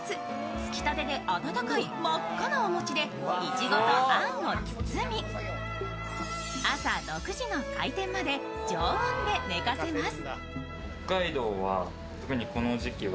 つきたてで温かい真っ赤なお餅でいちごとあんを包み、朝６時の開店まで常温で寝かせます。